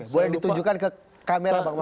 boleh ditunjukkan ke kamera pak wadid